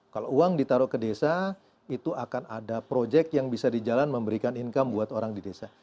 kalau uang ditaruh ke desa itu akan ada proyek yang bisa di jalan memberikan investasi